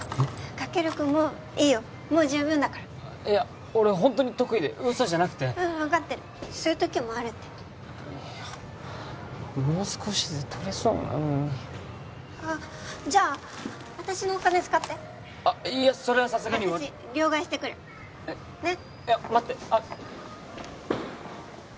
カケル君もういいよもう十分だからいや俺ホントに得意でウソじゃなくてうん分かってるそういうときもあるってもう少しで取れそうなのにあじゃあ私のお金使っていやそれはさすがに私両替してくるねっいや待ってあ